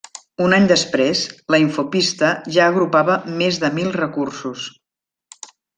Un any després, La Infopista ja agrupava més de mil recursos.